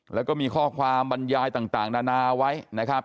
แล้วก็มีข้อความบรรยายต่างนานาไว้นะครับ